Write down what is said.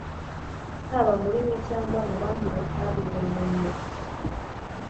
haba muri mwe cyangwa mu bandi batabimenenye